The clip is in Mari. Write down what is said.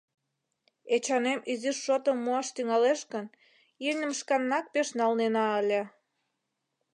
— Эчанем изиш шотым муаш тӱҥалеш гын, имньым шканнак пеш налнена ыле.